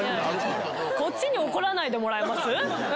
こっちに怒らないでもらえま